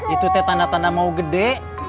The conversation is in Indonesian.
itu teh tanda tanda mau gede